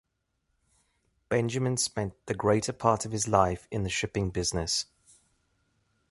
Benjamin spent the greater part of his life in the shipping business.